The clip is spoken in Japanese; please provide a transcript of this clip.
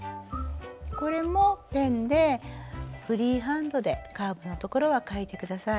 これもペンでフリーハンドでカーブの所は書いて下さい。